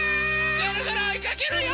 ぐるぐるおいかけるよ！